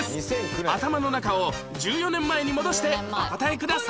頭の中を１４年前に戻してお答えください